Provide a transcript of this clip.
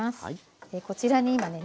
こちらに今ね